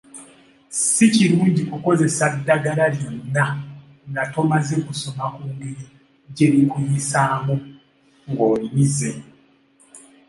Si kirungi kukozesa ddagala lyonna nga tomaze kusoma ku ngeri gye likuyisaamu ng'olimize.